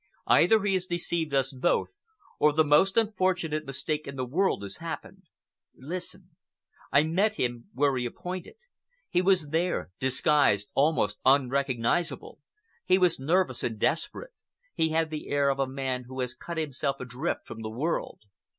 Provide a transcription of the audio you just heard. "Either he has deceived us both, or the most unfortunate mistake in the world has happened. Listen. I met him where he appointed. He was there, disguised, almost unrecognizable. He was nervous and desperate; he had the air of a man who has cut himself adrift from the world.